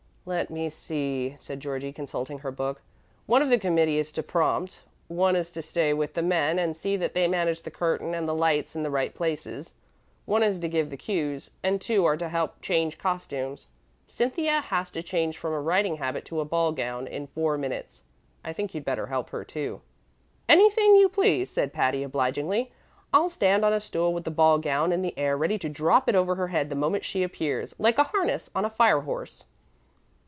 "Let me see," said Georgie, consulting her book. "One of the committee is to prompt, one is to stay with the men and see that they manage the curtain and the lights in the right places, one is to give the cues, and two are to help change costumes. Cynthia has to change from a riding habit to a ball gown in four minutes. I think you'd better help her, too." "Anything you please," said Patty, obligingly. "I'll stand on a stool with the ball gown in the air ready to drop it over her head the moment she appears, like a harness on a fire horse.